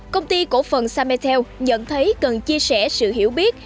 công ty cổ phần sametel nhận thấy cần chia sẻ sự hiểu biết